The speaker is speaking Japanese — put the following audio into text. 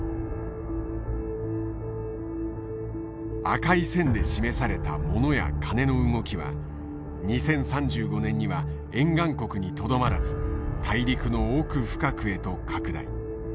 赤い線で示されたモノやカネの動きは２０３５年には沿岸国にとどまらず大陸の奥深くへと拡大。